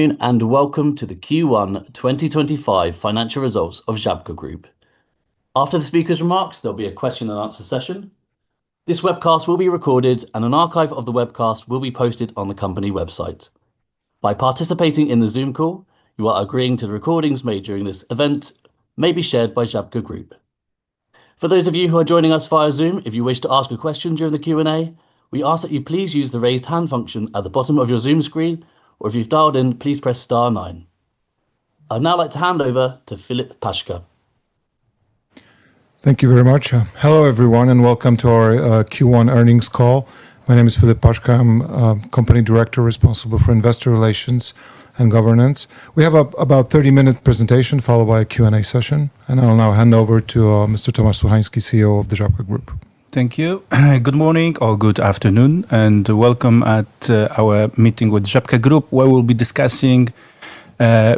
Welcome to the Q1 2025 financial results of Żabka Group. After the speakers' remarks, there will be a question-and-answer session. This webcast will be recorded, and an archive of the webcast will be posted on the company website. By participating in the Zoom call, you are agreeing to the recordings made during this event, which may be shared by Żabka Group. For those of you who are joining us via Zoom, if you wish to ask a question during the Q&A, we ask that you please use the raised hand function at the bottom of your Zoom screen, or if you have dialed in, please press star nine. I would now like to hand over to Filip Paszka. Thank you very much. Hello everyone, and welcome to our Q1 earnings call. My name is Filip Paszke. I'm a company director responsible for investor relations and governance. We have about a 30-minute presentation followed by a Q&A session, and I'll now hand over to Mr. Tomasz Suchański, CEO of the Żabka Group. Thank you. Good morning or good afternoon, and welcome at our meeting with Żabka Group, where we'll be discussing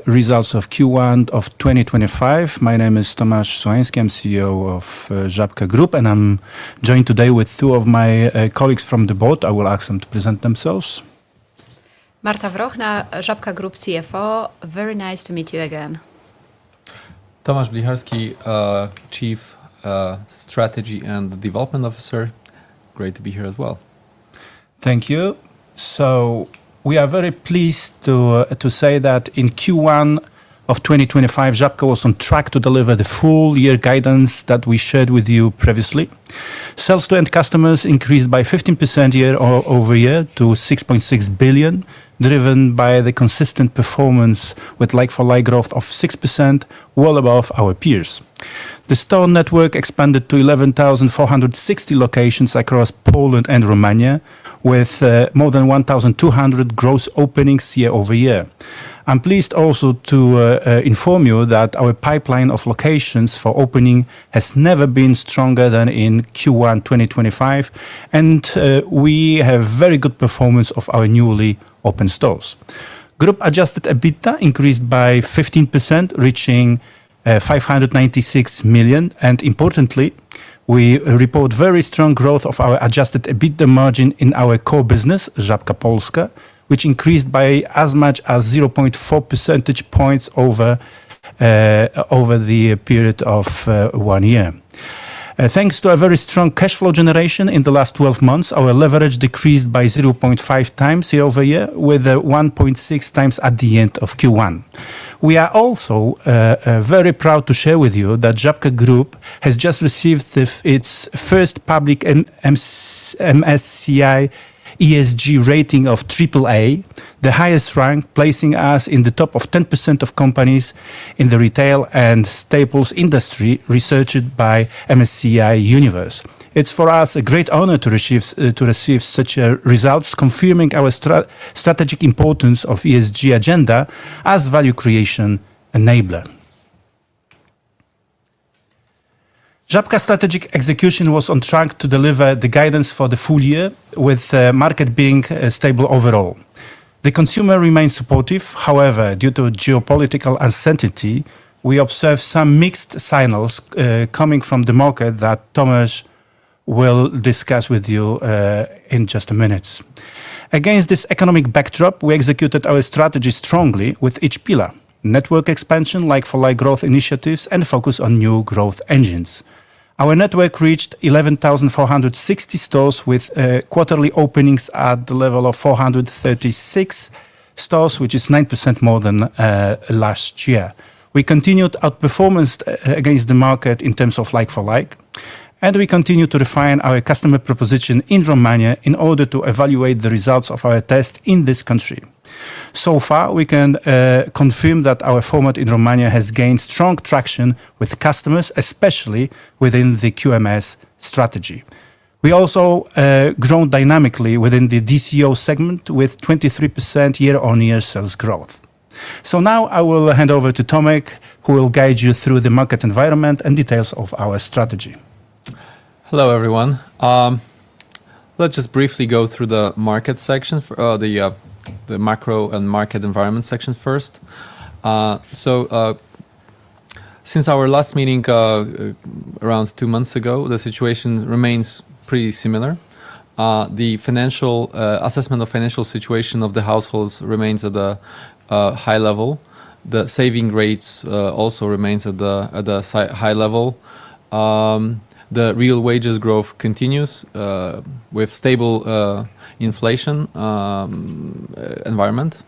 results of Q1 of 2025. My name is Tomasz Suchański. I'm CEO of Żabka Group, and I'm joined today with two of my colleagues from the board. I will ask them to present themselves. Marta Wrochna-Łastowska, Żabka Group CFO. Very nice to meet you again. Tomasz Blicharski, Chief Strategy and Development Officer. Great to be here as well. Thank you. We are very pleased to say that in Q1 of 2025, Żabka Group was on track to deliver the full-year guidance that we shared with you previously. Sales to end customers increased by 15% year over year to 6.6 billion, driven by the consistent performance with like-for-like growth of 6%, well above our peers. The store network expanded to 11,460 locations across Poland and Romania, with more than 1,200 gross openings year over year. I am pleased also to inform you that our pipeline of locations for opening has never been stronger than in Q1 2025, and we have very good performance of our newly opened stores. Group adjusted EBITDA increased by 15%, reaching 596 million. Importantly, we report very strong growth of our adjusted EBITDA margin in our core business, Żabka Polska, which increased by as much as 0.4 percentage points over the period of one year. Thanks to a very strong cash flow generation in the last 12 months, our leverage decreased by 0.5 times year over year, with 1.6 times at the end of Q1. We are also very proud to share with you that Żabka Group has just received its first public MSCI ESG rating of AAA, the highest rank, placing us in the top 10% of companies in the retail and staples industry researched by MSCI Universe. It is for us a great honor to receive such results, confirming our strategic importance of the ESG agenda as a value creation enabler. Żabka's strategic execution was on track to deliver the guidance for the full year, with the market being stable overall. The consumer remains supportive. However, due to geopolitical uncertainty, we observe some mixed signals coming from the market that Tomasz will discuss with you in just a minute. Against this economic backdrop, we executed our strategy strongly with each pillar: network expansion, like-for-like growth initiatives, and focus on new growth engines. Our network reached 11,460 stores, with quarterly openings at the level of 436 stores, which is 9% more than last year. We continued our performance against the market in terms of like-for-like, and we continue to refine our customer proposition in Romania in order to evaluate the results of our tests in this country. So far, we can confirm that our format in Romania has gained strong traction with customers, especially within the QMS strategy. We also grow dynamically within the DCO segment, with 23% year-on-year sales growth. Now I will hand over to Tomasz, who will guide you through the market environment and details of our strategy. Hello everyone. Let's just briefly go through the market section, the macro and market environment section first. Since our last meeting around two months ago, the situation remains pretty similar. The financial assessment of the financial situation of the households remains at a high level. The saving rates also remain at a high level. The real wages growth continues with stable inflation environment.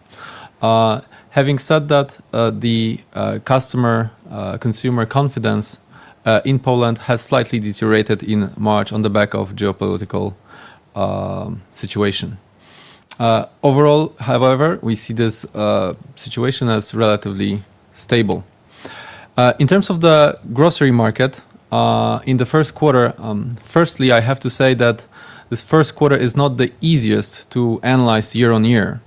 Having said that, the consumer confidence in Poland has slightly deteriorated in March on the back of the geopolitical situation. Overall, however, we see this situation as relatively stable. In terms of the grocery market, in the first quarter, firstly, I have to say that this first quarter is not the easiest to analyze year on year.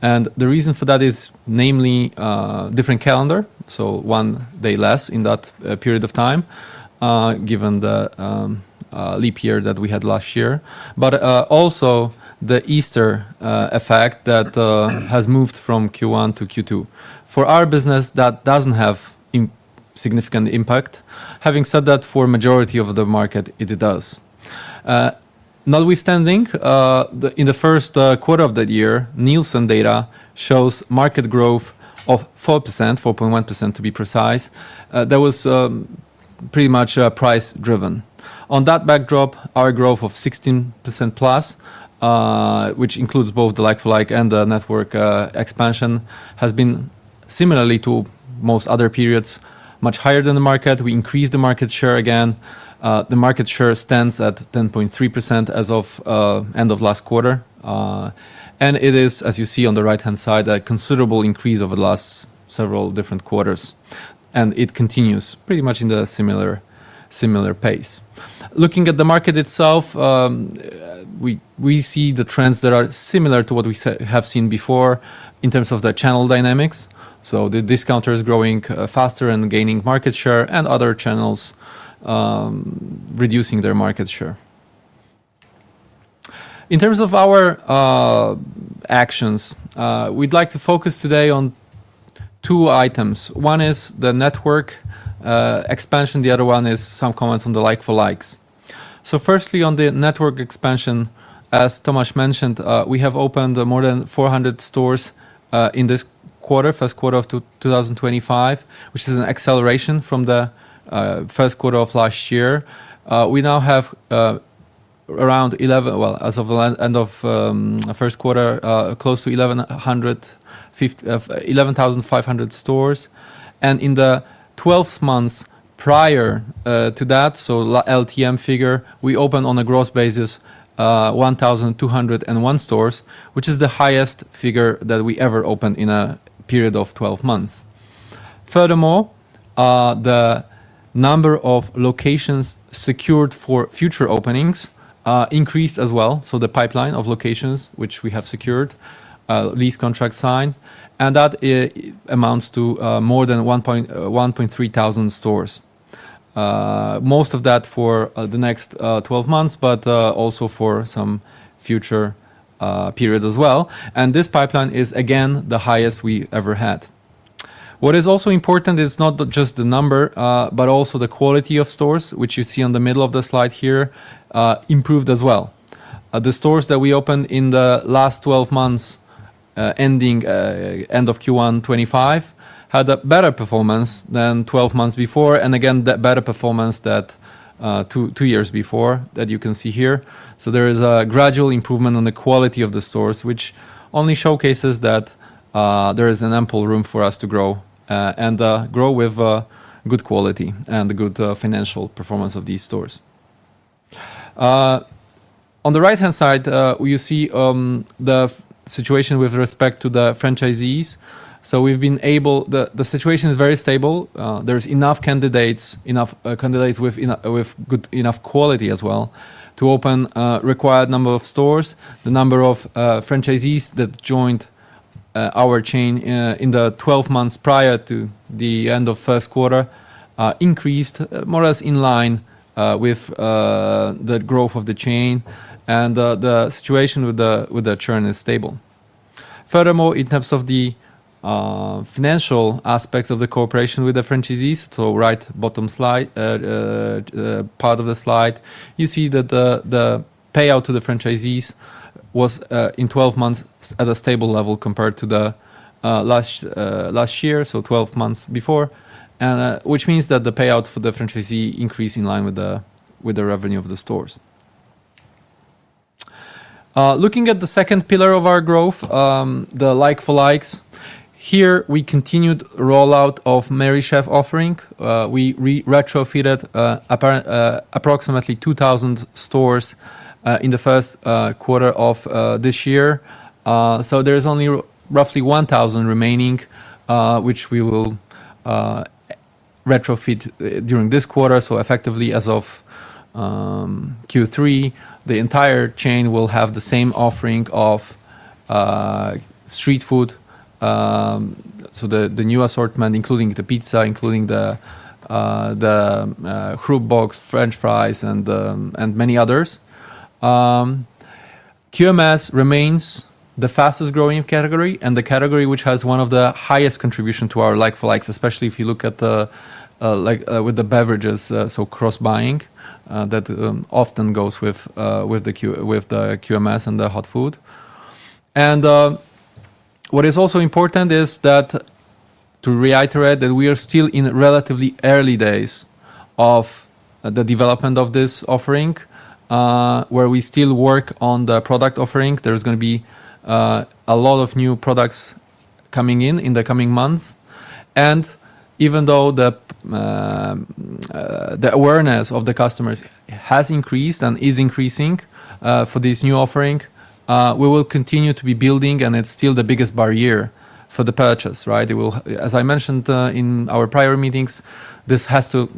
The reason for that is namely a different calendar, so one day less in that period of time, given the leap year that we had last year, but also the Easter effect that has moved from Q1 to Q2. For our business, that does not have a significant impact. Having said that, for the majority of the market, it does. Notwithstanding, in the first quarter of that year, Nielsen data shows market growth of 4%, 4.1% to be precise. That was pretty much price-driven. On that backdrop, our growth of 16% plus, which includes both the like-for-like and the network expansion, has been, similarly to most other periods, much higher than the market. We increased the market share again. The market share stands at 10.3% as of the end of last quarter. It is, as you see on the right-hand side, a considerable increase over the last several different quarters. It continues pretty much at a similar pace. Looking at the market itself, we see the trends that are similar to what we have seen before in terms of the channel dynamics. The discounter is growing faster and gaining market share, and other channels are reducing their market share. In terms of our actions, we would like to focus today on two items. One is the network expansion. The other one is some comments on the like-for-likes. Firstly, on the network expansion, as Tomasz mentioned, we have opened more than 400 stores in this quarter, first quarter of 2025, which is an acceleration from the first quarter of last year. We now have around 11, well, as of the end of the first quarter, close to 11,500 stores. In the 12 months prior to that, so LTM figure, we opened on a gross basis 1,201 stores, which is the highest figure that we ever opened in a period of 12 months. Furthermore, the number of locations secured for future openings increased as well. The pipeline of locations, which we have secured, lease contracts signed, amounts to more than 1.3 thousand stores. Most of that is for the next 12 months, but also for some future period as well. This pipeline is, again, the highest we ever had. What is also important is not just the number, but also the quality of stores, which you see on the middle of the slide here, improved as well. The stores that we opened in the last 12 months, ending end of Q1 2025, had a better performance than 12 months before, and again, that better performance than two years before that you can see here. There is a gradual improvement in the quality of the stores, which only showcases that there is ample room for us to grow and grow with good quality and good financial performance of these stores. On the right-hand side, you see the situation with respect to the franchisees. We have been able, the situation is very stable. There are enough candidates, enough candidates with good enough quality as well to open a required number of stores. The number of franchisees that joined our chain in the 12 months prior to the end of the first quarter increased more or less in line with the growth of the chain. The situation with the churn is stable. Furthermore, in terms of the financial aspects of the cooperation with the franchisees, the right bottom part of the slide, you see that the payout to the franchisees was in 12 months at a stable level compared to last year, so 12 months before, which means that the payout for the franchisee increased in line with the revenue of the stores. Looking at the second pillar of our growth, the like-for-likes, here we continued the rollout of Merry Chef offering. We retrofitted approximately 2,000 stores in the first quarter of this year. There is only roughly 1,000 remaining, which we will retrofit during this quarter. Effectively, as of Q3, the entire chain will have the same offering of street food, the new assortment, including the pizza, including the Krug box, French fries, and many others. QMS remains the fastest growing category and the category which has one of the highest contributions to our like-for-likes, especially if you look at the with the beverages, so cross-buying that often goes with the QMS and the hot food. What is also important is that, to reiterate, we are still in relatively early days of the development of this offering, where we still work on the product offering. There is going to be a lot of new products coming in in the coming months. Even though the awareness of the customers has increased and is increasing for this new offering, we will continue to be building, and it is still the biggest barrier for the purchase, right? As I mentioned in our prior meetings, this has to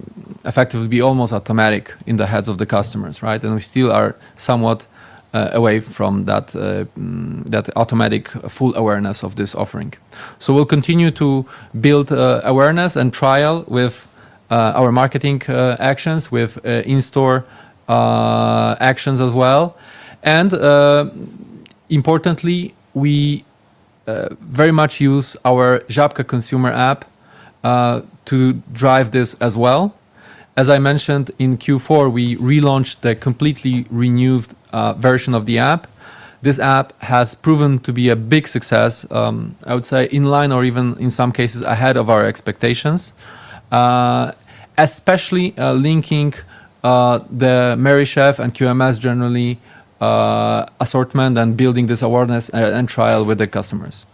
effectively be almost automatic in the heads of the customers, right? We still are somewhat away from that automatic full awareness of this offering. We will continue to build awareness and trial with our marketing actions, with in-store actions as well. Importantly, we very much use our Żabka consumer app to drive this as well. As I mentioned, in Q4, we relaunched the completely renewed version of the app. This app has proven to be a big success, I would say, in line or even in some cases ahead of our expectations, especially linking the Merry Chef and QMS generally assortment and building this awareness and trial with the customers.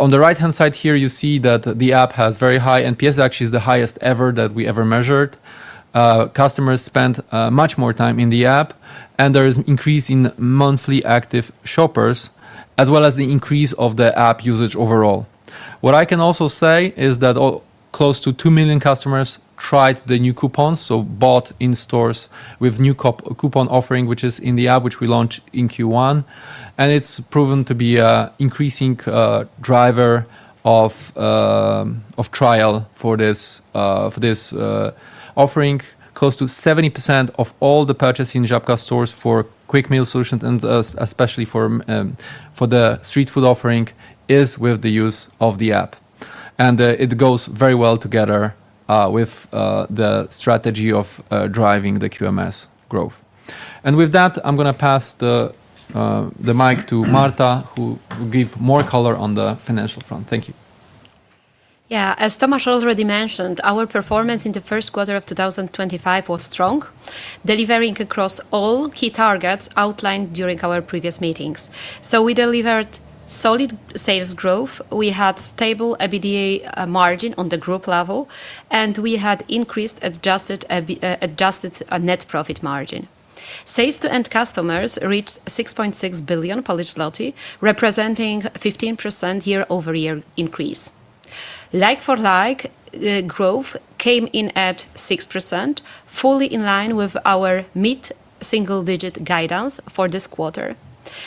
On the right-hand side here, you see that the app has very high NPS. Actually, it is the highest ever that we ever measured. Customers spend much more time in the app, and there is an increase in monthly active shoppers, as well as the increase of the app usage overall. What I can also say is that close to 2 million customers tried the new coupons, so bought in stores with new coupon offering, which is in the app, which we launched in Q1. It is proven to be an increasing driver of trial for this offering. Close to 70% of all the purchases in Żabka stores for quick meal solutions, and especially for the street food offering, is with the use of the app. It goes very well together with the strategy of driving the QMS growth. With that, I am going to pass the mic to Marta, who will give more color on the financial front. Thank you. Yeah, as Tomasz already mentioned, our performance in the first quarter of 2025 was strong, delivering across all key targets outlined during our previous meetings. We delivered solid sales growth. We had a stable EBITDA margin on the group level, and we had increased adjusted net profit margin. Sales to end customers reached 6.6 billion Polish zloty, representing a 15% year-over-year increase. Like-for-like growth came in at 6%, fully in line with our mid-single-digit guidance for this quarter.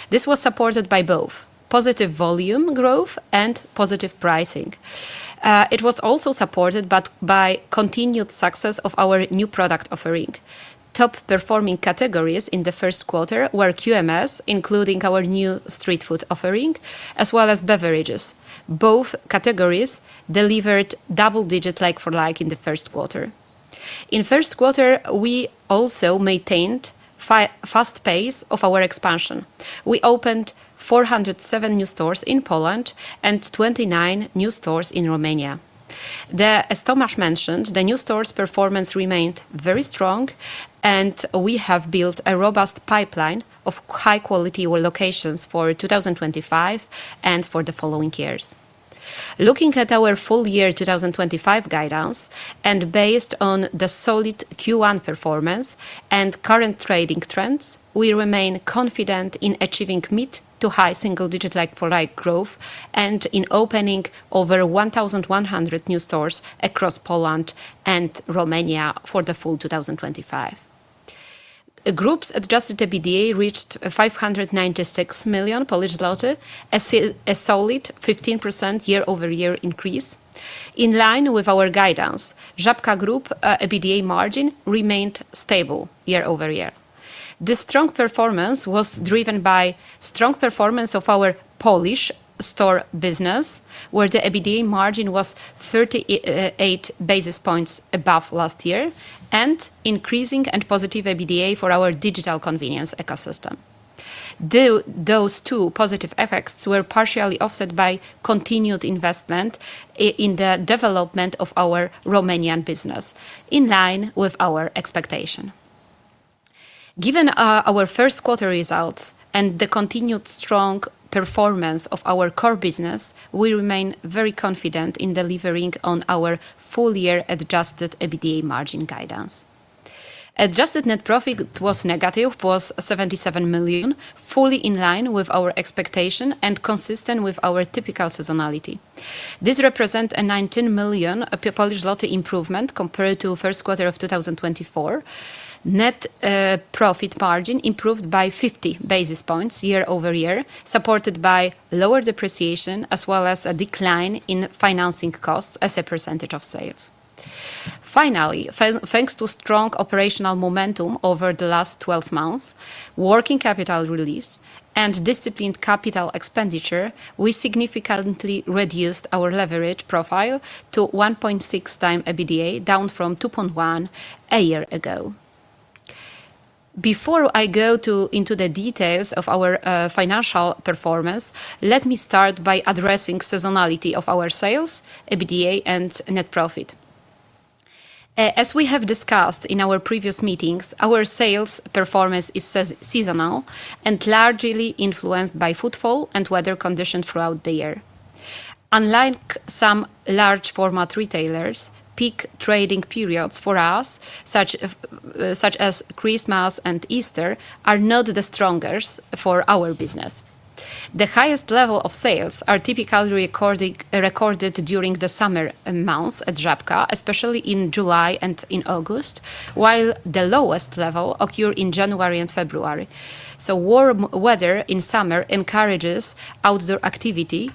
This was supported by both positive volume growth and positive pricing. It was also supported by continued success of our new product offering. Top-performing categories in the first quarter were QMS, including our new street food offering, as well as beverages. Both categories delivered double-digit like-for-like in the first quarter. In the first quarter, we also maintained a fast pace of our expansion. We opened 407 new stores in Poland and 29 new stores in Romania. As Tomasz mentioned, the new stores' performance remained very strong, and we have built a robust pipeline of high-quality locations for 2025 and for the following years. Looking at our full year 2025 guidance and based on the solid Q1 performance and current trading trends, we remain confident in achieving mid-to-high single-digit like-for-like growth and in opening over 1,100 new stores across Poland and Romania for the full 2025. Group's adjusted EBITDA reached 596 million Polish zloty, a solid 15% year-over-year increase. In line with our guidance, Żabka Group's EBITDA margin remained stable year-over-year. This strong performance was driven by the strong performance of our Polish store business, where the EBITDA margin was 38 basis points above last year, and increasing and positive EBITDA for our digital convenience ecosystem. Those two positive effects were partially offset by continued investment in the development of our Romanian business, in line with our expectation. Given our first quarter results and the continued strong performance of our core business, we remain very confident in delivering on our full-year adjusted EBITDA margin guidance. Adjusted net profit was negative, was 77 million, fully in line with our expectation and consistent with our typical seasonality. This represents a 19 million improvement compared to the first quarter of 2024. Net profit margin improved by 50 basis points year-over-year, supported by lower depreciation, as well as a decline in financing costs as a percentage of sales. Finally, thanks to strong operational momentum over the last 12 months, working capital release, and disciplined capital expenditure, we significantly reduced our leverage profile to 1.6 times EBITDA, down from 2.1 a year ago. Before I go into the details of our financial performance, let me start by addressing the seasonality of our sales, EBITDA, and net profit. As we have discussed in our previous meetings, our sales performance is seasonal and largely influenced by footfall and weather conditions throughout the year. Unlike some large-format retailers, peak trading periods for us, such as Christmas and Easter, are not the strongest for our business. The highest levels of sales are typically recorded during the summer months at Żabka, especially in July and in August, while the lowest levels occur in January and February. Warm weather in summer encourages outdoor activity,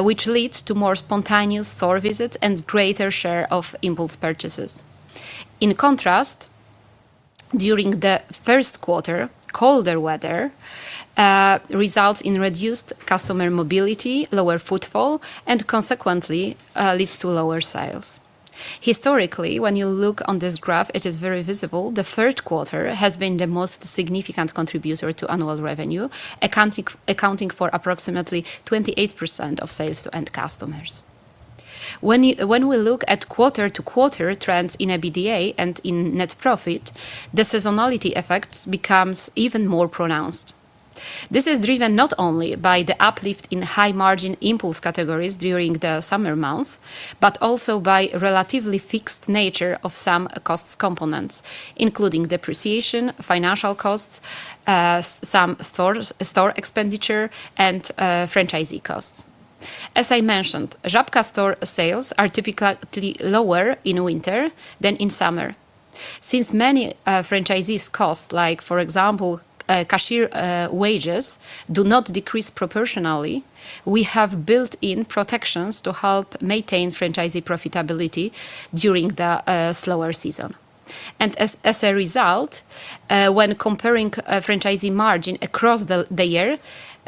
which leads to more spontaneous store visits and a greater share of impulse purchases. In contrast, during the first quarter, colder weather results in reduced customer mobility, lower footfall, and consequently leads to lower sales. Historically, when you look on this graph, it is very visible. The third quarter has been the most significant contributor to annual revenue, accounting for approximately 28% of sales to end customers. When we look at quarter-to-quarter trends in EBITDA and in net profit, the seasonality effect becomes even more pronounced. This is driven not only by the uplift in high-margin impulse categories during the summer months, but also by the relatively fixed nature of some cost components, including depreciation, financial costs, some store expenditure, and franchisee costs. As I mentioned, Żabka store sales are typically lower in winter than in summer. Since many franchisee costs, like, for example, cashier wages, do not decrease proportionally, we have built-in protections to help maintain franchisee profitability during the slower season. As a result, when comparing franchisee margin across the year,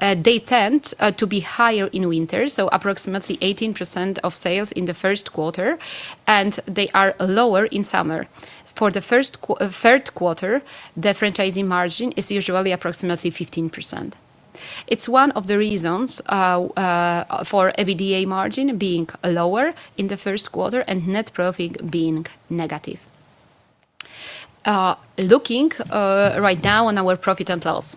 they tend to be higher in winter, so approximately 18% of sales in the first quarter, and they are lower in summer. For the third quarter, the franchisee margin is usually approximately 15%. It is one of the reasons for EBITDA margin being lower in the first quarter and net profit being negative. Looking right now on our profit and loss,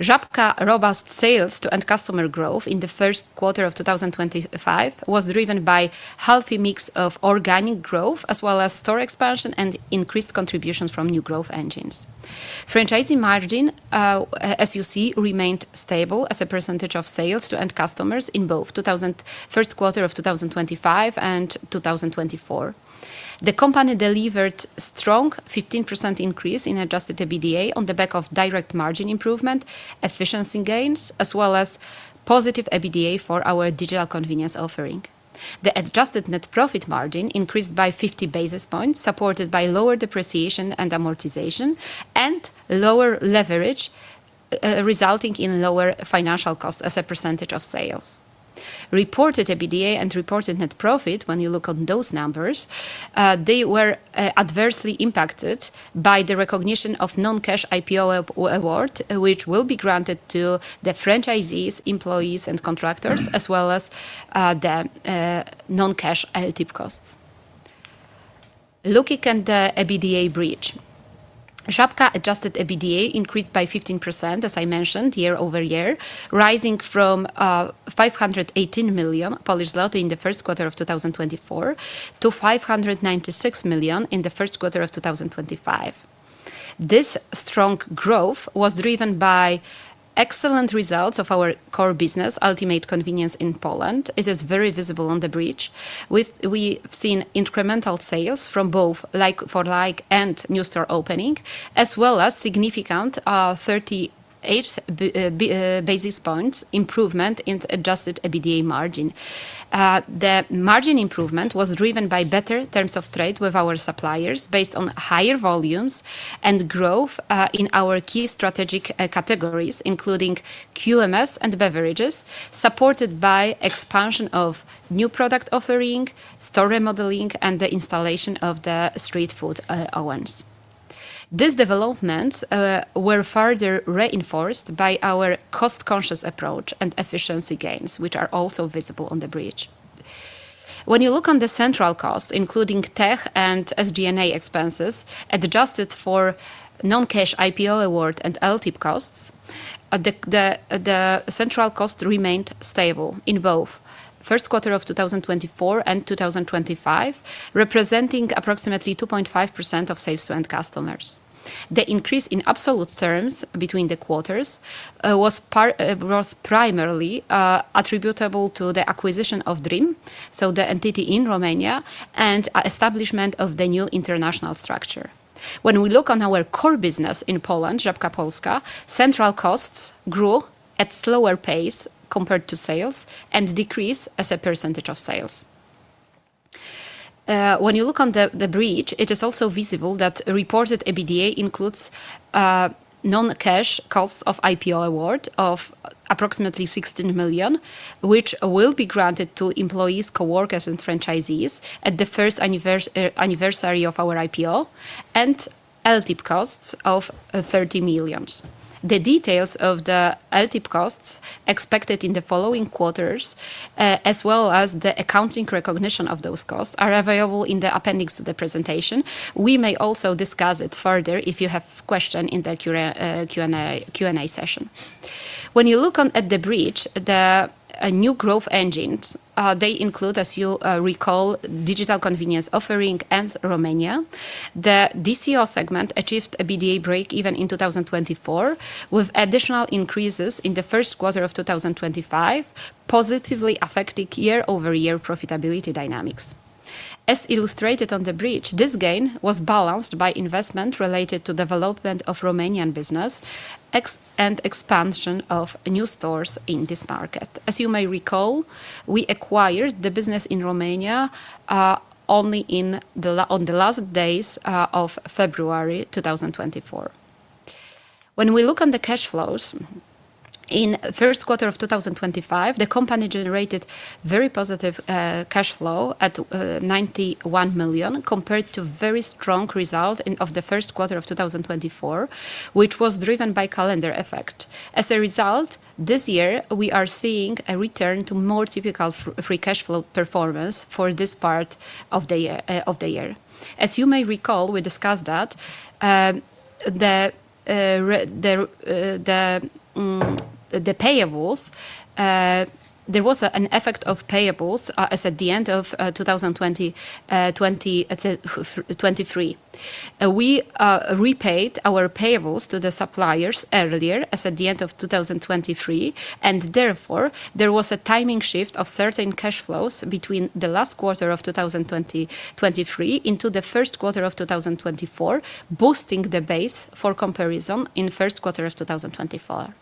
Żabka's robust sales to end customer growth in the first quarter of 2025 was driven by a healthy mix of organic growth, as well as store expansion and increased contributions from new growth engines. Franchisee margin, as you see, remained stable as a percentage of sales to end customers in both the first quarter of 2025 and 2024. The company delivered a strong 15% increase in adjusted EBITDA on the back of direct margin improvement, efficiency gains, as well as positive EBITDA for our digital convenience offering. The adjusted net profit margin increased by 50 basis points, supported by lower depreciation and amortization and lower leverage, resulting in lower financial costs as a percentage of sales. Reported EBITDA and reported net profit, when you look at those numbers, they were adversely impacted by the recognition of the non-cash IPO award, which will be granted to the franchisees, employees, and contractors, as well as the non-cash LTIP costs. Looking at the EBITDA bridge, Żabka's adjusted EBITDA increased by 15%, as I mentioned, year-over-year, rising from 518 million Polish zloty in the first quarter of 2024 to 596 million in the first quarter of 2025. This strong growth was driven by excellent results of our core business, Ultimate Convenience in Poland. It is very visible on the bridge. We've seen incremental sales from both like-for-like and new store opening, as well as a significant 38 basis points improvement in adjusted EBITDA margin. The margin improvement was driven by better terms of trade with our suppliers based on higher volumes and growth in our key strategic categories, including QMS and beverages, supported by the expansion of new product offering, store remodeling, and the installation of the street food ovens. These developments were further reinforced by our cost-conscious approach and efficiency gains, which are also visible on the bridge. When you look on the central costs, including tech and SG&A expenses adjusted for non-cash IPO award and LTIP costs, the central cost remained stable in both the first quarter of 2024 and 2025, representing approximately 2.5% of sales to end customers. The increase in absolute terms between the quarters was primarily attributable to the acquisition of DREAM, so the entity in Romania, and the establishment of the new international structure. When we look on our core business in Poland, Żabka Polska, central costs grew at a slower pace compared to sales and decreased as a percentage of sales. When you look on the breach, it is also visible that reported EBITDA includes non-cash costs of IPO award of approximately 16 million, which will be granted to employees, coworkers, and franchisees at the first anniversary of our IPO, and LTIP costs of 30 million. The details of the LTIP costs expected in the following quarters, as well as the accounting recognition of those costs, are available in the appendix to the presentation. We may also discuss it further if you have questions in the Q&A session. When you look at the bridge, the new growth engines, they include, as you recall, digital convenience offering and Romania. The DCO segment achieved an EBITDA break even in 2024, with additional increases in the first quarter of 2025, positively affecting year-over-year profitability dynamics. As illustrated on the bridge, this gain was balanced by investment related to the development of Romanian business and the expansion of new stores in this market. As you may recall, we acquired the business in Romania only on the last days of February 2024. When we look on the cash flows, in the first quarter of 2025, the company generated very positive cash flow at 91 million compared to a very strong result of the first quarter of 2024, which was driven by the calendar effect. As a result, this year, we are seeing a return to more typical free cash flow performance for this part of the year. As you may recall, we discussed that the payables, there was an effect of payables at the end of 2023. We repaid our payables to the suppliers earlier at the end of 2023, and therefore, there was a timing shift of certain cash flows between the last quarter of 2023 into the first quarter of 2024, boosting the base for comparison in the first quarter of 2025.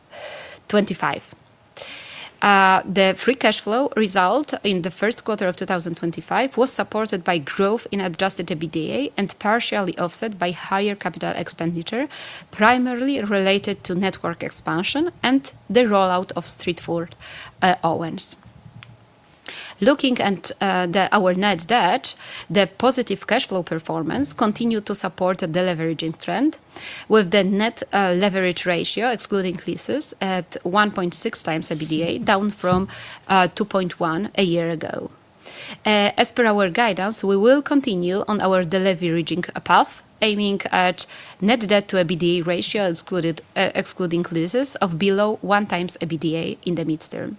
The free cash flow result in the first quarter of 2025 was supported by growth in adjusted EBITDA and partially offset by higher capital expenditure, primarily related to network expansion and the rollout of street food ovens. Looking at our net debt, the positive cash flow performance continued to support the deleveraging trend, with the net leverage ratio, excluding leases, at 1.6 times EBITDA, down from 2.1 a year ago. As per our guidance, we will continue on our deleveraging path, aiming at a net debt-to-EBITDA ratio, excluding leases, of below 1 times EBITDA in the midterm.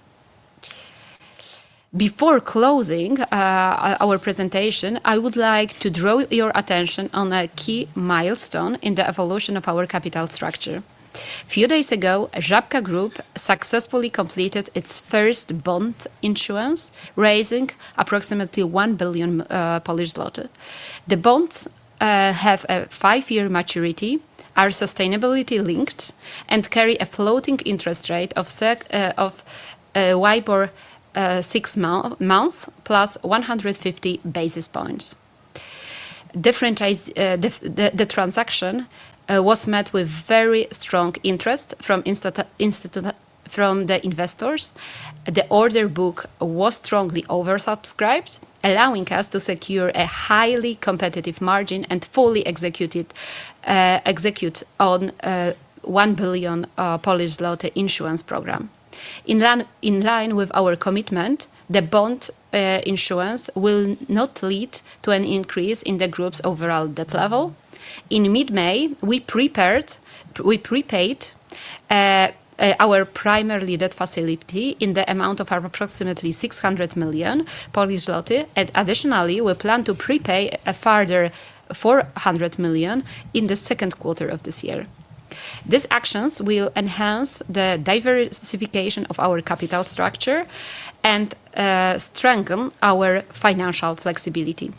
Before closing our presentation, I would like to draw your attention on a key milestone in the evolution of our capital structure. A few days ago, Żabka Group successfully completed its first bond issuance, raising approximately 1 billion Polish zloty. The bonds have a five-year maturity, are sustainability-linked, and carry a floating interest rate of 6 months plus 150 basis points. The transaction was met with very strong interest from the investors. The order book was strongly oversubscribed, allowing us to secure a highly competitive margin and fully execute on a 1 billion Polish zloty insurance program. In line with our commitment, the bond insurance will not lead to an increase in the group's overall debt level. In mid-May, we prepaid our primary debt facility in the amount of approximately 600 million Polish zloty, and additionally, we plan to prepay a further 400 million in the second quarter of this year. These actions will enhance the diversification of our capital structure and strengthen our financial flexibility.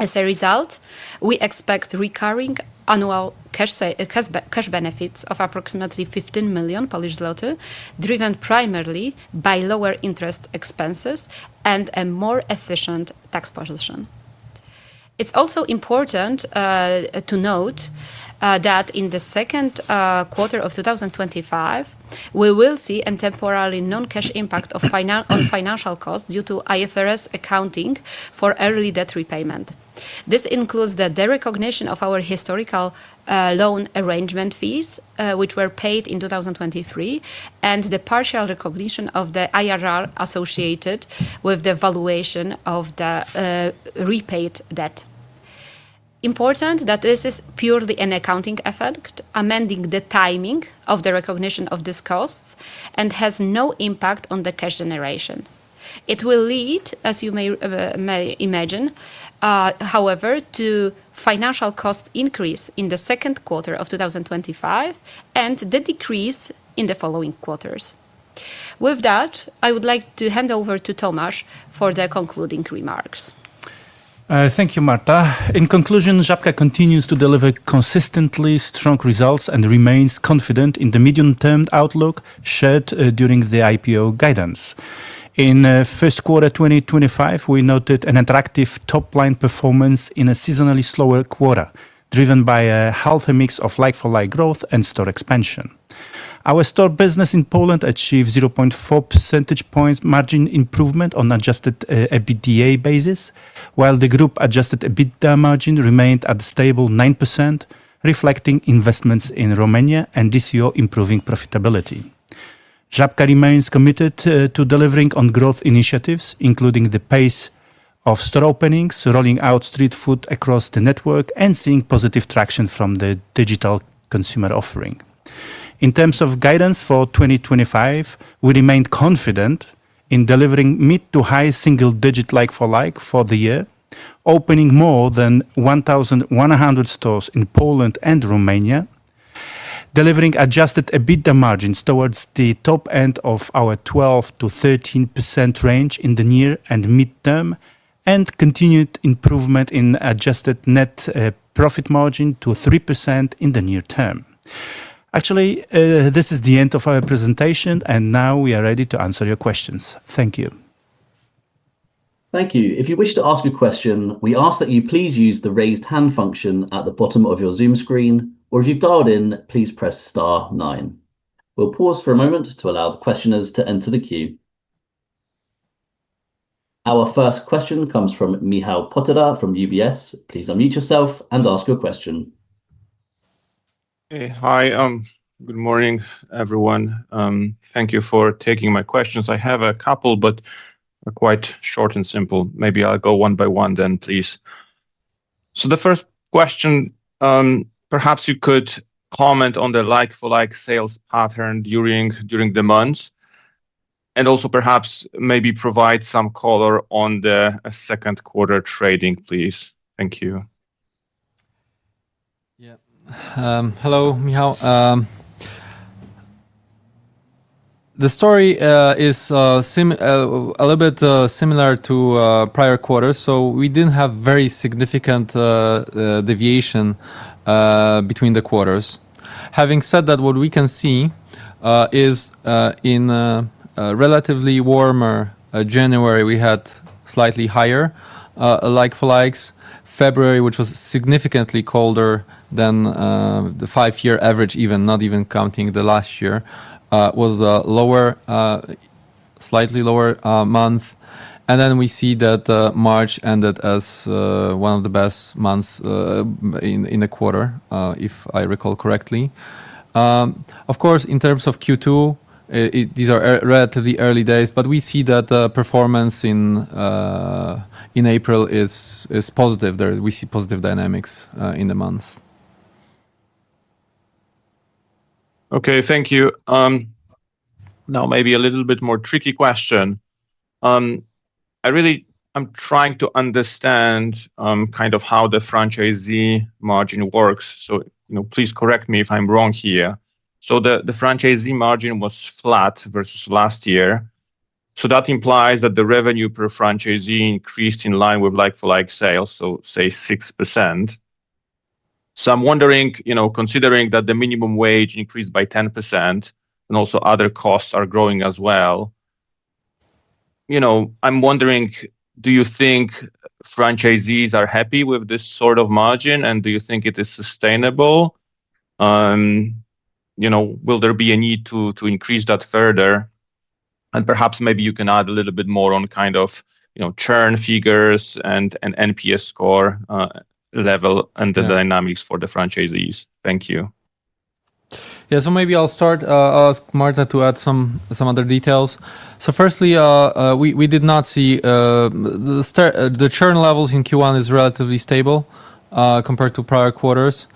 As a result, we expect recurring annual cash benefits of approximately 15 million Polish zloty, driven primarily by lower interest expenses and a more efficient tax position. It's also important to note that in the second quarter of 2025, we will see a temporary non-cash impact on financial costs due to IFRS accounting for early debt repayment. This includes the recognition of our historical loan arrangement fees, which were paid in 2023, and the partial recognition of the IRR associated with the valuation of the repaid debt. Important that this is purely an accounting effect, amending the timing of the recognition of these costs and has no impact on the cash generation. It will lead, as you may imagine, however, to a financial cost increase in the second quarter of 2025 and a decrease in the following quarters. With that, I would like to hand over to Tomasz for the concluding remarks. Thank you, Marta. In conclusion, Żabka continues to deliver consistently strong results and remains confident in the medium-term outlook shared during the IPO guidance. In the first quarter of 2025, we noted an attractive top-line performance in a seasonally slower quarter, driven by a healthy mix of like-for-like growth and store expansion. Our store business in Poland achieved a 0.4 percentage point margin improvement on an adjusted EBITDA basis, while the group adjusted EBITDA margin remained at a stable 9%, reflecting investments in Romania and DCO improving profitability. Żabka remains committed to delivering on growth initiatives, including the pace of store openings, rolling out street food across the network, and seeing positive traction from the digital consumer offering. In terms of guidance for 2025, we remained confident in delivering mid to high single-digit like-for-like for the year, opening more than 1,100 stores in Poland and Romania, delivering adjusted EBITDA margins towards the top end of our 12%-13% range in the near and midterm, and continued improvement in adjusted net profit margin to 3% in the near term. Actually, this is the end of our presentation, and now we are ready to answer your questions. Thank you. Thank you. If you wish to ask a question, we ask that you please use the raised hand function at the bottom of your Zoom screen, or if you've dialed in, please press star nine. We'll pause for a moment to allow the questioners to enter the queue. Our first question comes from Michał Potyra from UBS. Please unmute yourself and ask your question. Hi, good morning, everyone. Thank you for taking my questions. I have a couple, but they're quite short and simple. Maybe I'll go one by one then, please. The first question, perhaps you could comment on the like-for-like sales pattern during the months, and also perhaps maybe provide some color on the second quarter trading, please. Thank you. Yeah. Hello, Michał. The story is a little bit similar to prior quarters, so we didn't have very significant deviation between the quarters. Having said that, what we can see is in a relatively warmer January, we had slightly higher like-for-likes. February, which was significantly colder than the five-year average, even not even counting the last year, was a slightly lower month. We see that March ended as one of the best months in the quarter, if I recall correctly. Of course, in terms of Q2, these are relatively early days, but we see that performance in April is positive. We see positive dynamics in the month. Okay, thank you. Now, maybe a little bit more tricky question. I'm trying to understand kind of how the franchisee margin works, so please correct me if I'm wrong here. So the franchisee margin was flat versus last year. So that implies that the revenue per franchisee increased in line with like-for-like sales, so say 6%. So I'm wondering, considering that the minimum wage increased by 10% and also other costs are growing as well, I'm wondering, do you think franchisees are happy with this sort of margin, and do you think it is sustainable? Will there be a need to increase that further? Perhaps maybe you can add a little bit more on kind of churn figures and NPS score level and the dynamics for the franchisees. Thank you. Yeah, maybe I'll start, ask Marta to add some other details. Firstly, we did not see the churn levels in Q1 as relatively stable compared to prior quarters.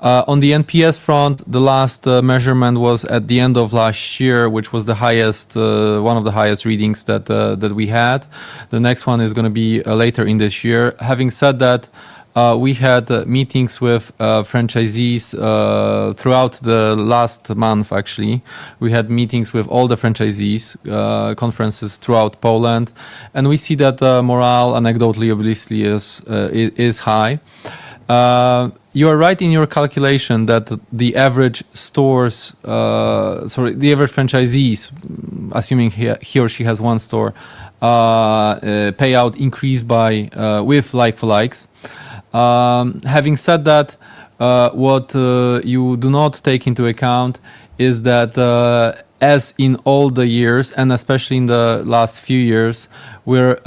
On the NPS front, the last measurement was at the end of last year, which was one of the highest readings that we had. The next one is going to be later in this year. Having said that, we had meetings with franchisees throughout the last month, actually. We had meetings with all the franchisees, conferences throughout Poland, and we see that morale, anecdotally, obviously is high. You are right in your calculation that the average stores, sorry, the average franchisees, assuming he or she has one store, payout increased with like-for-likes. Having said that, what you do not take into account is that, as in all the years, and especially in the last few years, we're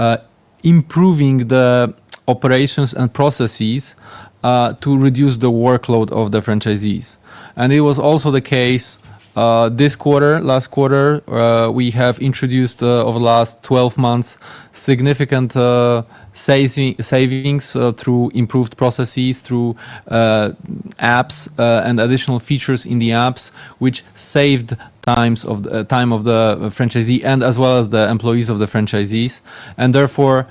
improving the operations and processes to reduce the workload of the franchisees. It was also the case this quarter. Last quarter, we have introduced over the last 12 months significant savings through improved processes, through apps and additional features in the apps, which saved time of the franchisee as well as the employees of the franchisees. Therefore,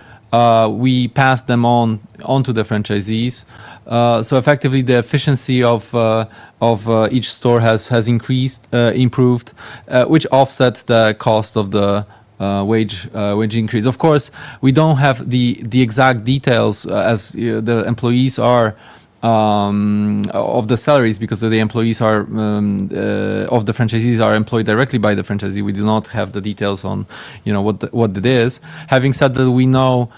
we passed them on to the franchisees. Effectively, the efficiency of each store has increased, improved, which offsets the cost of the wage increase. Of course, we do not have the exact details as the employees are of the salaries because the employees of the franchisees are employed directly by the franchisee. We do not have the details on what it is. Having said that, we know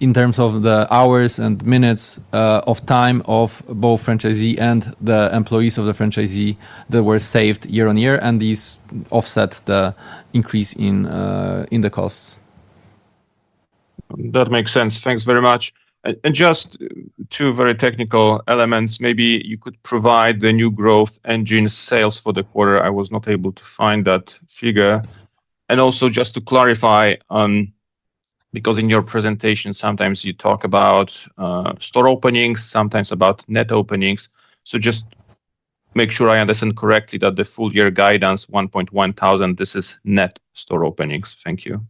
in terms of the hours and minutes of time of both franchisee and the employees of the franchisee that were saved year on year, and these offset the increase in the costs. That makes sense. Thanks very much. Just two very technical elements. Maybe you could provide the new growth engine sales for the quarter. I was not able to find that figure. Also just to clarify, because in your presentation, sometimes you talk about store openings, sometimes about net openings. Just to make sure I understand correctly that the full-year guidance, 1.1 thousand, this is net store openings. Thank you.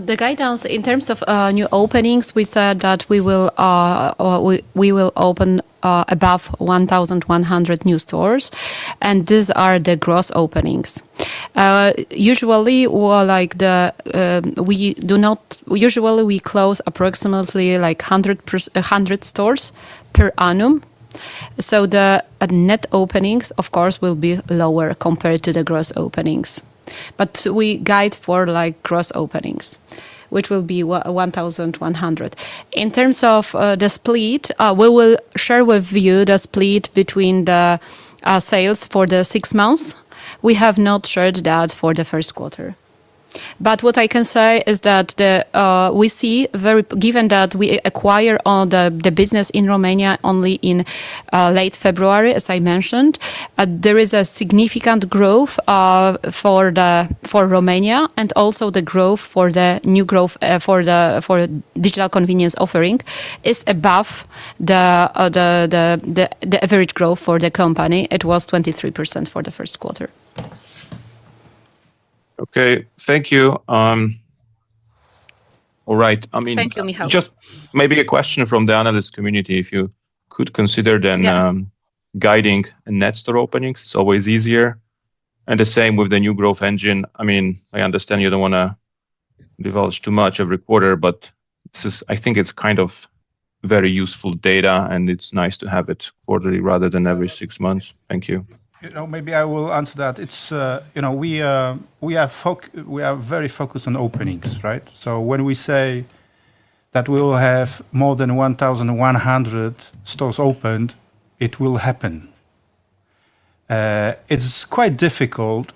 The guidance in terms of new openings, we said that we will open above 1,100 new stores, and these are the gross openings. Usually, we do not usually close approximately 100 stores per annum. The net openings, of course, will be lower compared to the gross openings. We guide for gross openings, which will be 1,100. In terms of the split, we will share with you the split between the sales for the six months. We have not shared that for the first quarter. What I can say is that we see, given that we acquire all the business in Romania only in late February, as I mentioned, there is a significant growth for Romania and also the growth for the new growth for the digital convenience offering is above the average growth for the company. It was 23% for the first quarter. Okay, thank you. All right. I mean, just maybe a question from the analyst community, if you could consider then guiding net store openings. It's always easier. The same with the new growth engine. I mean, I understand you do not want to divulge too much every quarter, but I think it is kind of very useful data, and it is nice to have it quarterly rather than every six months. Thank you. Maybe I will answer that. We are very focused on openings, right? When we say that we will have more than 1,100 stores opened, it will happen. It is quite difficult,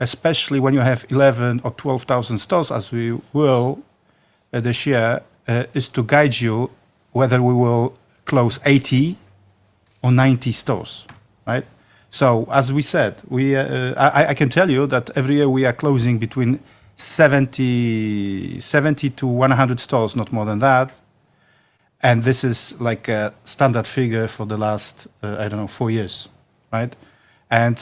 especially when you have 11,000 or 12,000 stores, as we will this year, to guide you whether we will close 80 or 90 stores, right? As we said, I can tell you that every year we are closing between 70-100 stores, not more than that. This is like a standard figure for the last, I do not know, four years, right? I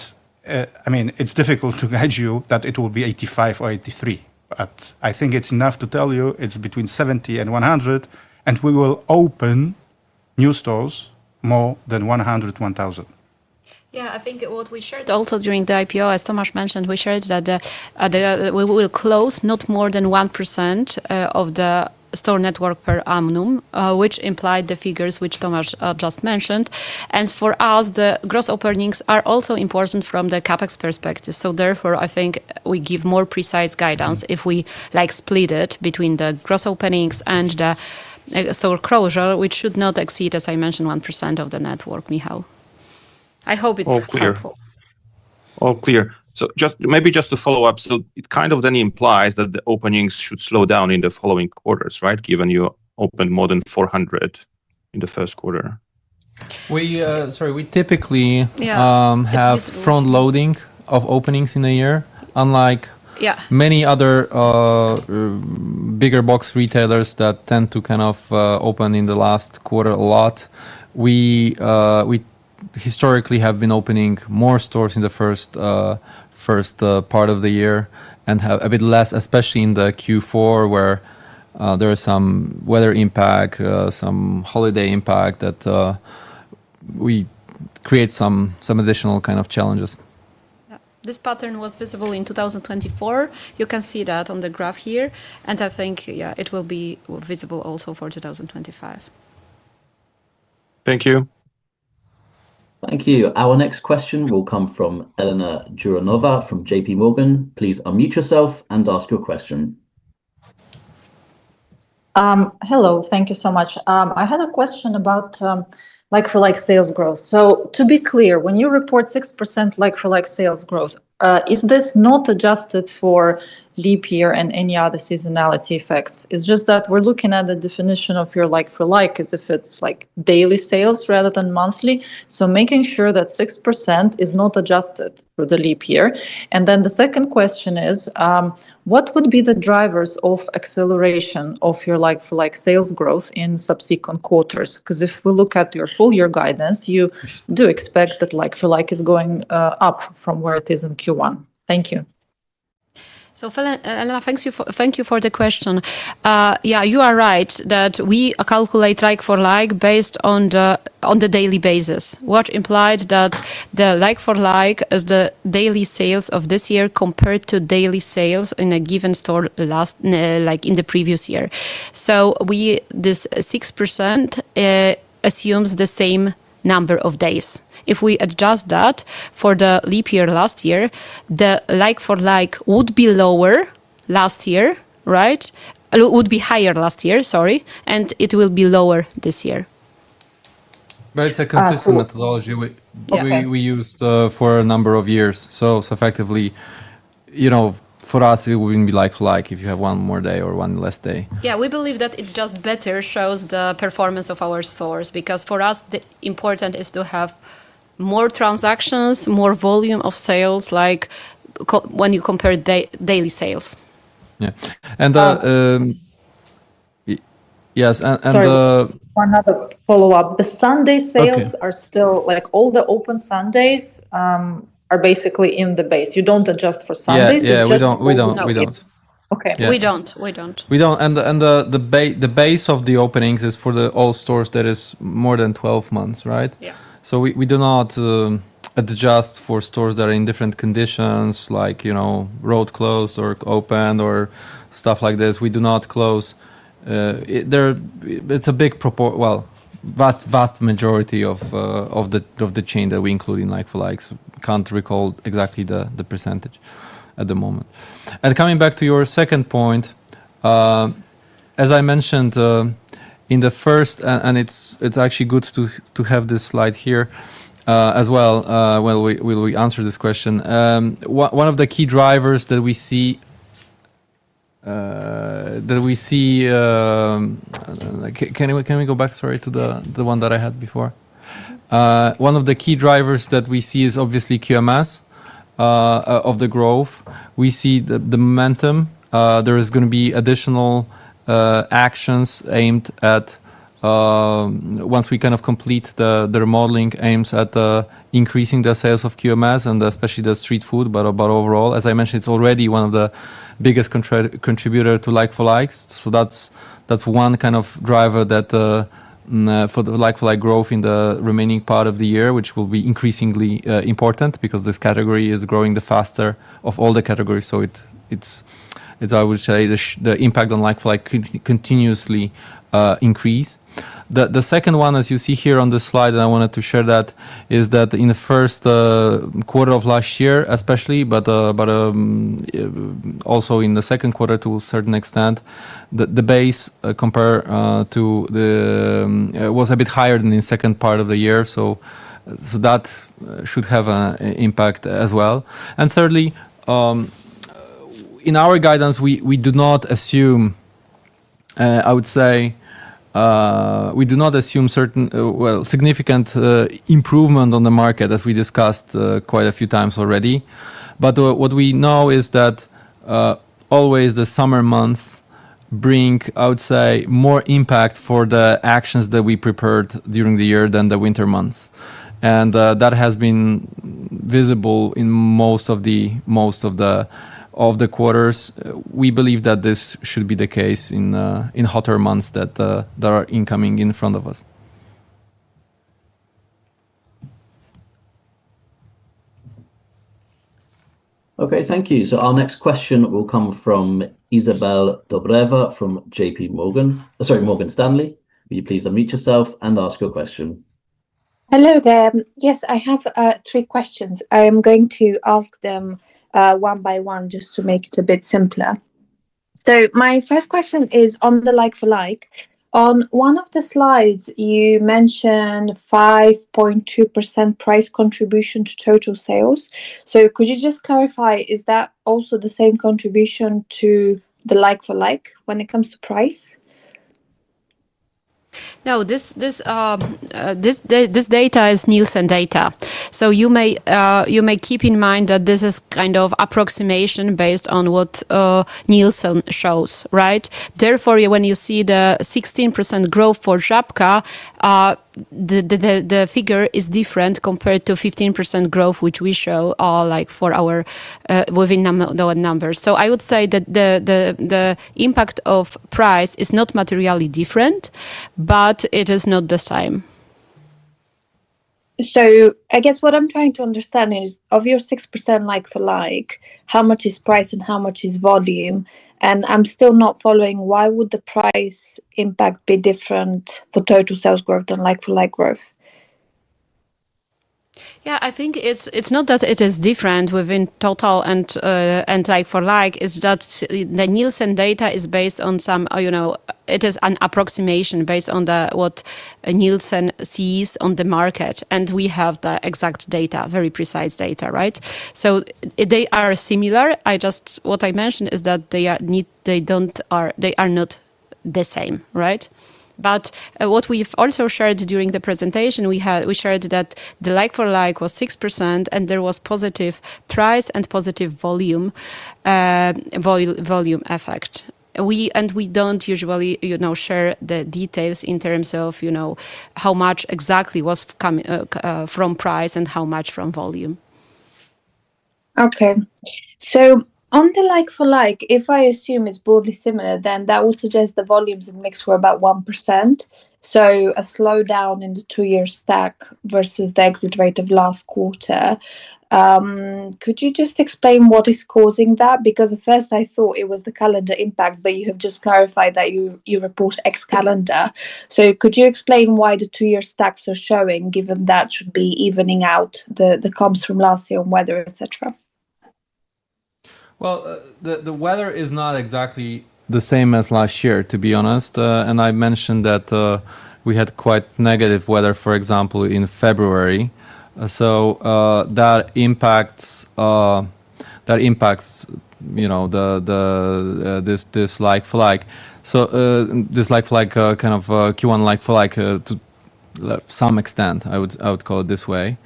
mean, it's difficult to guide you that it will be 85 or 83, but I think it's enough to tell you it's between 70 and 100, and we will open new stores more than 100, 1,000. I think what we shared also during the IPO, as Tomasz mentioned, we shared that we will close not more than 1% of the store network per annum, which implied the figures which Tomasz just mentioned. For us, the gross openings are also important from the CapEx perspective. Therefore, I think we give more precise guidance if we split it between the gross openings and the store closure, which should not exceed, as I mentioned, 1% of the network, Michał. I hope it's helpful. All clear. Just maybe just to follow up, it kind of then implies that the openings should slow down in the following quarters, right, given you opened more than 400 in the first quarter? Sorry, we typically have front loading of openings in a year, unlike many other bigger box retailers that tend to kind of open in the last quarter a lot. We historically have been opening more stores in the first part of the year and have a bit less, especially in Q4, where there is some weather impact, some holiday impact that creates some additional kind of challenges. This pattern was visible in 2024. You can see that on the graph here, and I think it will be visible also for 2025. Thank you. Thank you. Our next question will come from Elena Jouronova from JP Morgan. Please unmute yourself and ask your question. Hello, thank you so much. I had a question about like-for-like sales growth. To be clear, when you report 6% like-for-like sales growth, is this not adjusted for leap year and any other seasonality effects? It's just that we're looking at the definition of your like-for-like as if it's daily sales rather than monthly. Making sure that 6% is not adjusted for the leap year. The second question is, what would be the drivers of acceleration of your like-for-like sales growth in subsequent quarters? Because if we look at your full-year guidance, you do expect that like-for-like is going up from where it is in Q1. Thank you. Elena, thank you for the question. Yeah, you are right that we calculate like-for-like based on the daily basis, which implied that the like-for-like is the daily sales of this year compared to daily sales in a given store in the previous year. This 6% assumes the same number of days. If we adjust that for the leap year last year, the like-for-like would be lower last year, right? It would be higher last year, sorry, and it will be lower this year. It is a consistent methodology we used for a number of years. Effectively, for us, it would not be like-for-like if you have one more day or one less day. Yeah, we believe that it just better shows the performance of our stores because for us, the important is to have more transactions, more volume of sales when you compare daily sales. Yeah. Yes. One other follow-up. The Sunday sales are still all the open Sundays are basically in the base. You do not adjust for Sundays. Yeah, we do not. Okay. We do not. And the base of the openings is for all stores that is more than 12 months, right? Yeah. We do not adjust for stores that are in different conditions, like road closed or open or stuff like this. We do not close. It is a big, well, vast majority of the chain that we include in like-for-likes. Cannot recall exactly the percentage at the moment. Coming back to your second point, as I mentioned in the first, and it is actually good to have this slide here as well while we answer this question. One of the key drivers that we see, can we go back, sorry, to the one that I had before? One of the key drivers that we see is obviously QMS of the growth. We see the momentum. There is going to be additional actions aimed at once we kind of complete the remodeling aims at increasing the sales of QMS and especially the street food, but overall, as I mentioned, it's already one of the biggest contributors to like-for-likes. That is one kind of driver for the like-for-like growth in the remaining part of the year, which will be increasingly important because this category is growing the faster of all the categories. I would say the impact on like-for-like continuously increase. The second one, as you see here on the slide that I wanted to share, is that in the first quarter of last year, especially, but also in the second quarter to a certain extent, the base compared to the was a bit higher than in the second part of the year. That should have an impact as well. Thirdly, in our guidance, we do not assume, I would say, we do not assume significant improvement on the market, as we discussed quite a few times already. What we know is that always the summer months bring, I would say, more impact for the actions that we prepared during the year than the winter months. That has been visible in most of the quarters. We believe that this should be the case in hotter months that are incoming in front of us. Okay, thank you. Our next question will come from Isabel Dobrev from JP Morgan. Sorry, Morgan Stanley. Will you please unmute yourself and ask your question? Hello there. Yes, I have three questions. I am going to ask them one by one just to make it a bit simpler. My first question is on the like-for-like. On one of the slides, you mentioned 5.2% price contribution to total sales. Could you just clarify, is that also the same contribution to the like-for-like when it comes to price? No, this data is Nielsen data. You may keep in mind that this is kind of approximation based on what Nielsen shows, right? Therefore, when you see the 16% growth for Żabka, the figure is different compared to 15% growth, which we show for our within our numbers. I would say that the impact of price is not materially different, but it is not the same. I guess what I'm trying to understand is, of your 6% like-for-like, how much is price and how much is volume? I'm still not following. Why would the price impact be different for total sales growth than like-for-like growth? I think it's not that it is different within total and like-for-like. It's that the Nielsen data is based on some, it is an approximation based on what Nielsen sees on the market. We have the exact data, very precise data, right? They are similar. What I mentioned is that they are not the same, right? What we've also shared during the presentation, we shared that the like-for-like was 6%, and there was positive price and positive volume effect. We do not usually share the details in terms of how much exactly was coming from price and how much from volume. Okay. On the like-for-like, if I assume it is broadly similar, then that would suggest the volumes or mix were about 1%. That is a slowdown in the two-year stack versus the exit rate of last quarter. Could you just explain what is causing that? At first, I thought it was the calendar impact, but you have just clarified that you report ex-calendar. Could you explain why the two-year stacks are showing, given that should be evening out the comps from last year on weather, etc.? The weather is not exactly the same as last year, to be honest. I mentioned that we had quite negative weather, for example, in February. That impacts the like-for-like. This like-for-like kind of Q1 like-for-like to some extent, I would call it this way.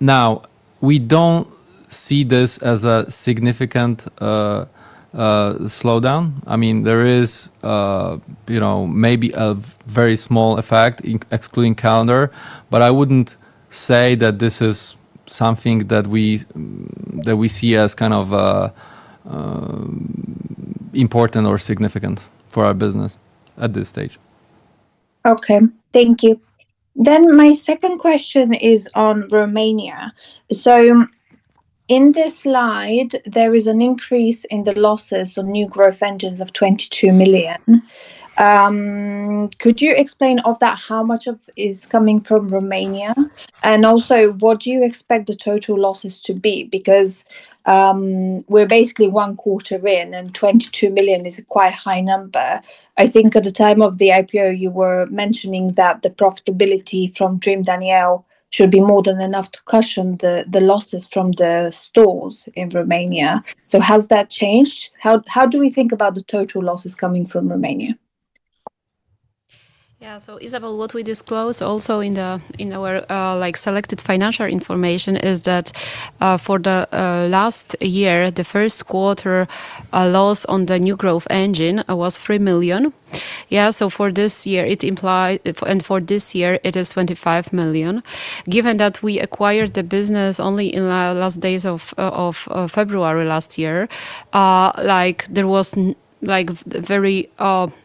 Now, we do not see this as a significant slowdown. I mean, there is maybe a very small effect excluding calendar, but I would not say that this is something that we see as kind of important or significant for our business at this stage. Okay. Thank you. My second question is on Romania. In this slide, there is an increase in the losses on new growth engines of 22 million. Could you explain of that how much is coming from Romania? Also, what do you expect the total losses to be? Because we are basically one quarter in, and 22 million is a quite high number. I think at the time of the IPO, you were mentioning that the profitability from DREAM should be more than enough to cushion the losses from the stores in Romania. Has that changed? How do we think about the total losses coming from Romania? Yeah. Isabel, what we disclose also in our selected financial information is that for last year, the first quarter loss on the new growth engine was 3 million. For this year, it is 25 million. Given that we acquired the business only in the last days of February last year, there was a very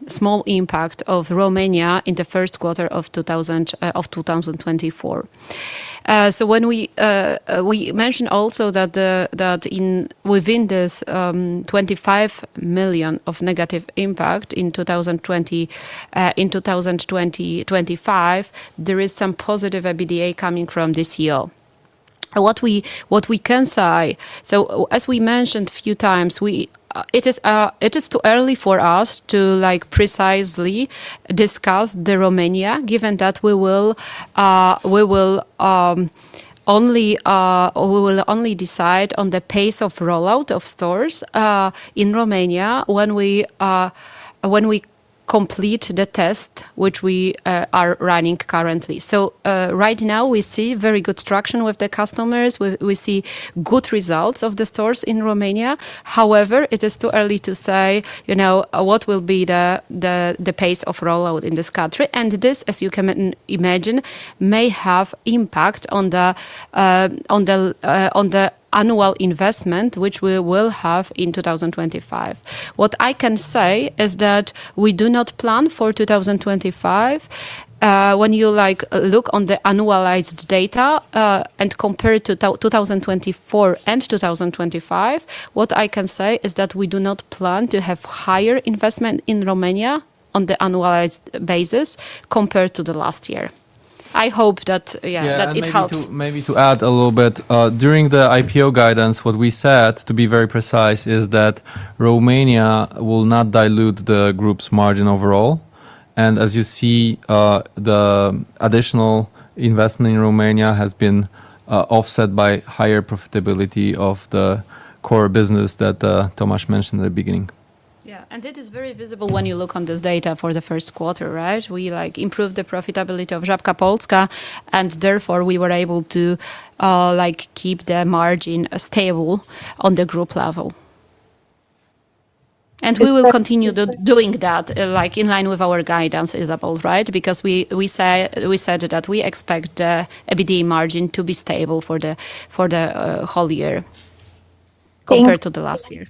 small impact of Romania in the first quarter of 2024. When we mentioned also that within this 25 million of negative impact in 2025, there is some positive EBITDA coming from this year. What we can say, as we mentioned a few times, it is too early for us to precisely discuss Romania, given that we will only decide on the pace of rollout of stores in Romania when we complete the test, which we are running currently. Right now, we see very good traction with the customers. We see good results of the stores in Romania. However, it is too early to say what will be the pace of rollout in this country. This, as you can imagine, may have impact on the annual investment, which we will have in 2025. What I can say is that we do not plan for 2025. When you look on the annualized data and compare it to 2024 and 2025, what I can say is that we do not plan to have higher investment in Romania on the annualized basis compared to last year. I hope that, yeah, that it helps. Maybe to add a little bit, during the IPO guidance, what we said, to be very precise, is that Romania will not dilute the group's margin overall. As you see, the additional investment in Romania has been offset by higher profitability of the core business that Tomasz mentioned at the beginning. Yeah. It is very visible when you look on this data for the first quarter, right? We improved the profitability of Żabka Polska, and therefore, we were able to keep the margin stable on the group level. We will continue doing that in line with our guidance, Isabel, right? Because we said that we expect the EBITDA margin to be stable for the whole year compared to the last year.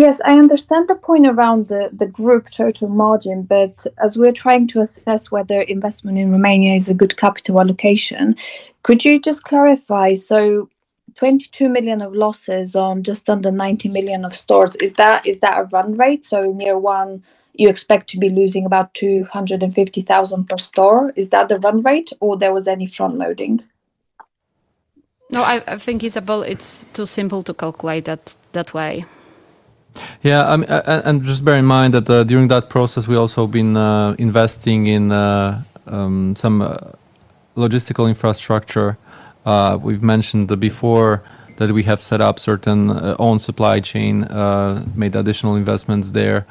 Yes, I understand the point around the group total margin, but as we're trying to assess whether investment in Romania is a good capital allocation, could you just clarify? So 22 million of losses on just under 90 stores, is that a run rate? So near one, you expect to be losing about 250,000 per store. Is that the run rate, or there was any front-loading? No, I think, Isabel, it's too simple to calculate that way. Yeah. Just bear in mind that during that process, we also have been investing in some logistical infrastructure. We've mentioned before that we have set up certain own supply chain, made additional investments there,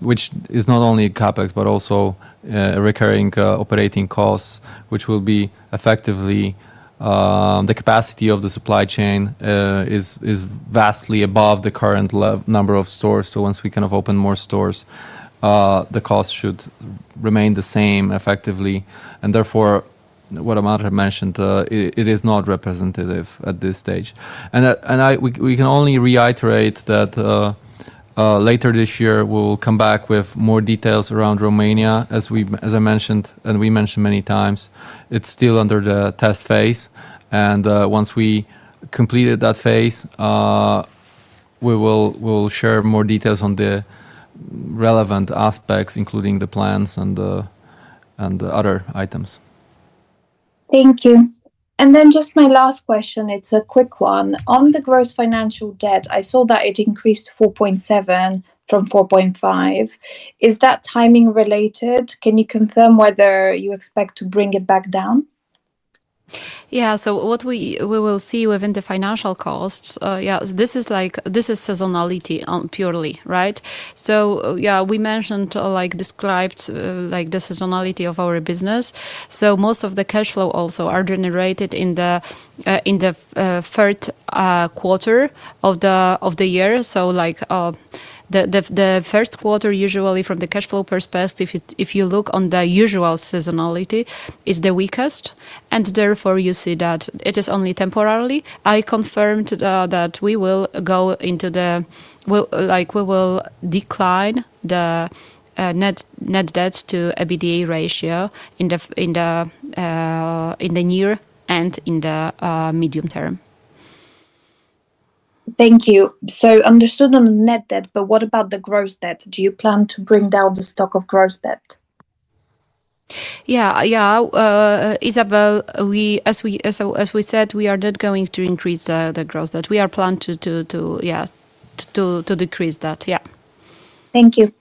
which is not only CapEx, but also recurring operating costs, which will be effectively the capacity of the supply chain is vastly above the current number of stores. Once we kind of open more stores, the cost should remain the same effectively. Therefore, what Amanda mentioned, it is not representative at this stage. We can only reiterate that later this year, we'll come back with more details around Romania, as I mentioned, and we mentioned many times. It's still under the test phase. Once we completed that phase, we will share more details on the relevant aspects, including the plans and the other items. Thank you. Then just my last question. It's a quick one. On the gross financial debt, I saw that it increased 4.7 billion from 4.5 billion. Is that timing related? Can you confirm whether you expect to bring it back down? Yeah. What we will see within the financial costs, this is seasonality purely, right? We mentioned, described the seasonality of our business. Most of the cash flow also is generated in the third quarter of the year. The first quarter, usually from the cash flow perspective, if you look on the usual seasonality, is the weakest. Therefore, you see that it is only temporary. I confirm that we will decline the net debt to EBITDA ratio in the near and in the medium term. Thank you. Understood on the net debt, but what about the gross debt? Do you plan to bring down the stock of gross debt? Yeah. Yeah. Isabel, as we said, we are not going to increase the gross debt. We are planning to decrease that. Yeah. Thank you.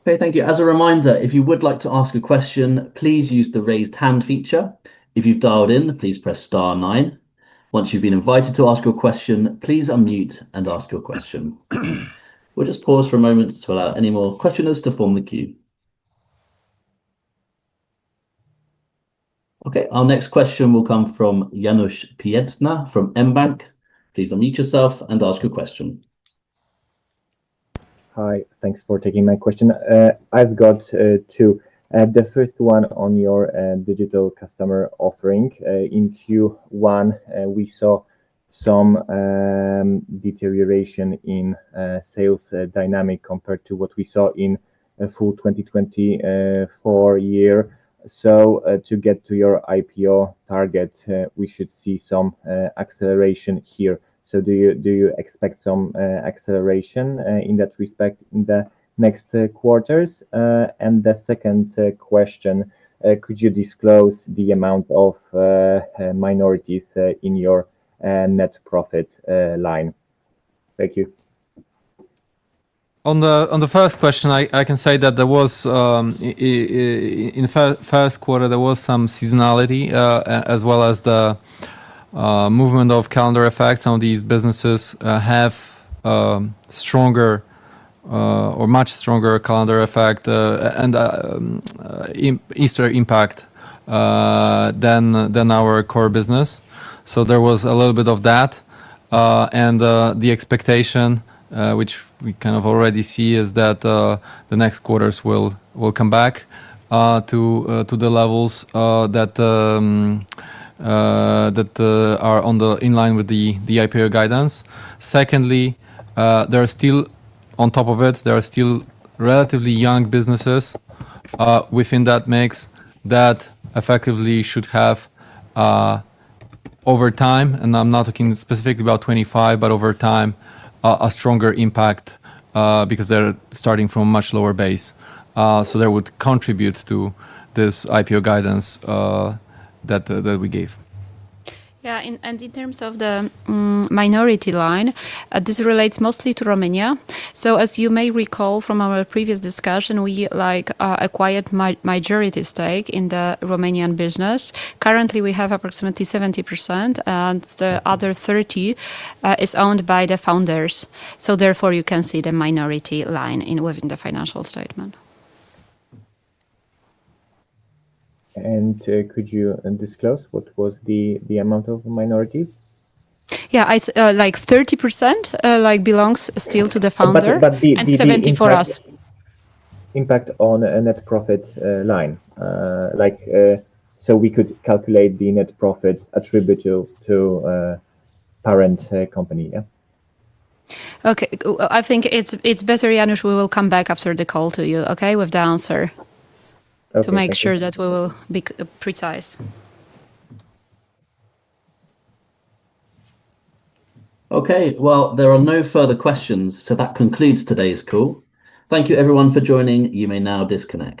Okay. Thank you. As a reminder, if you would like to ask a question, please use the raised hand feature. If you've dialed in, please press star nine. Once you've been invited to ask your question, please unmute and ask your question. We'll just pause for a moment to allow any more questioners to form the queue. Okay. Our next question will come from Janusz Pięta from MBANK. Please unmute yourself and ask your question. Hi. Thanks for taking my question. I've got two. The first one. On your digital customer offering. In Q1, we saw some deterioration in sales dynamic compared to what we saw in full 2024 year. So to get to your IPO target, we should see some acceleration here. Do you expect some acceleration in that respect in the next quarters? The second question, could you disclose the amount of minorities in your net profit line? Thank you. On the first question, I can say that in the first quarter, there was some seasonality as well as the movement of calendar effects. These businesses have stronger or much stronger calendar effect and Easter impact than our core business. There was a little bit of that. The expectation, which we kind of already see, is that the next quarters will come back to the levels that are in line with the IPO guidance. Secondly, there are still, on top of it, there are still relatively young businesses within that mix that effectively should have, over time, and I'm not talking specifically about 2025, but over time, a stronger impact because they're starting from a much lower base. That would contribute to this IPO guidance that we gave. Yeah. In terms of the minority line, this relates mostly to Romania. As you may recall from our previous discussion, we acquired a majority stake in the Romanian business. Currently, we have approximately 70%, and the other 30% is owned by the founders. Therefore, you can see the minority line within the financial statement. Could you disclose what was the amount of minorities? Yeah. 30% belongs still to the founder and 70% for us. Impact on net profit line. We could calculate the net profit attributable to parent company. Yeah. Okay. I think it's better, Janusz. We will come back after the call to you, okay, with the answer to make sure that we will be precise. There are no further questions, so that concludes today's call. Thank you, everyone, for joining. You may now disconnect.